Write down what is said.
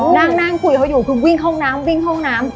นั่งคุยเค้าอยู่คือวิ่งห้องน้ำ